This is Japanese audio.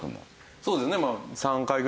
そうですね。